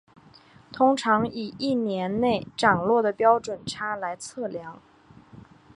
通常以一年内涨落的标准差来测量。